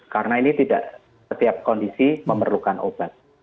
karena ini tidak setiap kondisi memerlukan obat